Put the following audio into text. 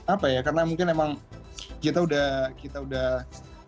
apa ya karena mungkin memang kita udah kita udah